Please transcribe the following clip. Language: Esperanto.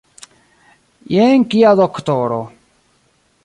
Jen kia doktoro!